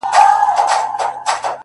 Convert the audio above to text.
سردونو ویښ نه کړای سو _